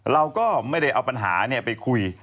เราก็ไม่ได้เอาปัญหาไปคุย